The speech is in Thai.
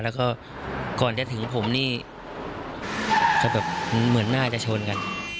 แล้วก็ก่อนจะถึงผมนี่ก็แบบเหมือนน่าจะชนกัน